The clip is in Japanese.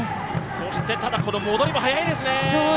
そして、ただ戻りも速いですね。